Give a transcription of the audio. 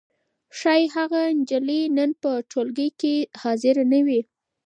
ښايي هغه نجلۍ نن په ټولګي کې حاضره نه وي.